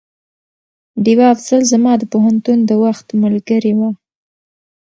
ډيوه افصل زما د پوهنتون د وخت ملګرې وه